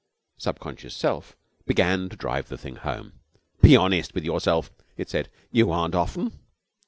Subconscious Self began to drive the thing home. 'Be honest with yourself,' it said. 'You aren't often.